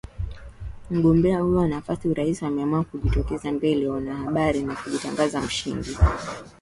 mgombea huyo wa nafasi urais ameamua kujitokeza mbele wanahabari na kujitangaza mshindi